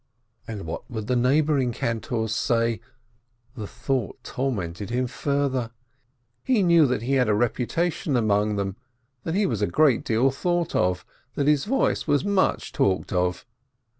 And what would the neighboring cantors say? The thought tormented him further. He knew that he had a reputation among them, that he was a great deal thought of, that his voice was much talked of.